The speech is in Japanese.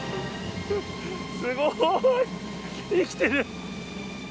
すごい。生きてる。